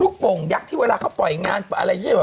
ลูกโป่งยักษ์ที่เวลาเขาปล่อยงานอะไรเยี่ยมันว่า